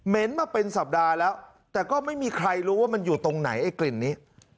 มาเป็นสัปดาห์แล้วแต่ก็ไม่มีใครรู้ว่ามันอยู่ตรงไหนไอ้กลิ่นนี้